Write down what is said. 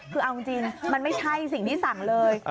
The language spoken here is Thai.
คือเอาจริงมันไม่ใช่สิ่งที่สั่งเลย